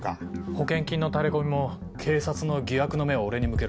保険金のタレコミも警察の疑惑の目を俺に向けるため。